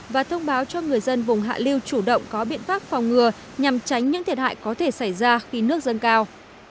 và thông báo cho người dân vùng hạ lưu chủ động có biện pháp phòng ngừa nhằm tránh những thiệt hại có thể xảy ra khi nước dâng cao